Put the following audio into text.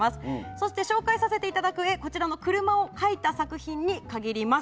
そして紹介させていただく絵こちらの車を描いた作品に限ります。